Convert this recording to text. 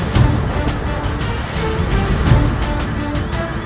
tidak ada masalah